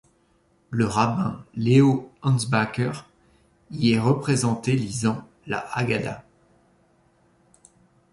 Le rabbin Léo Ansbacher y est représenté lisant la Haggadah.